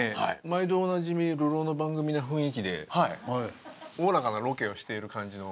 毎度おなじみ流浪の番組な雰囲気でおおらかなロケをしている感じの。